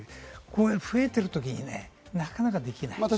増えている時になかなかできない。